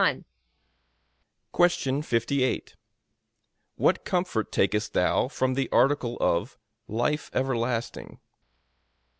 A.